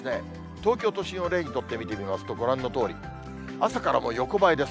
東京都心を例にとってみますと、ご覧のとおり、朝から横ばいです。